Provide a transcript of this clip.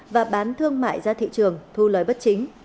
và bán thương mại ra thị trường thu lời bất chính